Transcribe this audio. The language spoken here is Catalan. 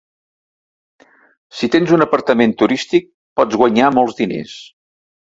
Si tens un apartament turístic, pots guanyar molts diners.